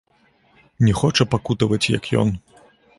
Не хоча пакутаваць, як ён.